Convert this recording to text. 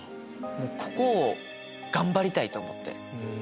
ここを頑張りたい！と思って。